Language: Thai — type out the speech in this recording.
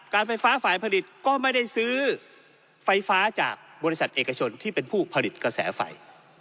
การไฟฟ้าฝ่ายผลิตก็ไม่ได้ซื้อไฟฟ้าจากบริษัทเอกชนที่เป็นผู้ผลิตกระแสไฟ